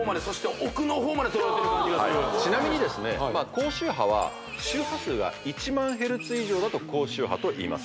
高周波は周波数が１万ヘルツ以上だと高周波といいます